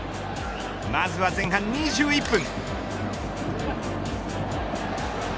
まずは前半２１分。